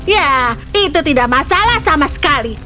ya itu tidak masalah sama sekali